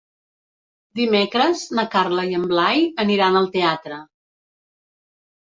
Dimecres na Carla i en Blai aniran al teatre.